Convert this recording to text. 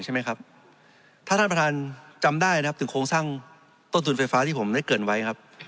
ถ้าท่านประธานจำได้ถึงโครงสร้างต้นทุนไฟฟ้าที่ผมได้เกิดไว้